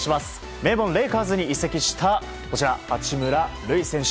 名門レイカーズに移籍した八村塁選手。